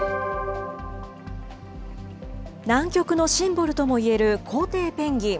南極のシンボルともいえるコウテイペンギン。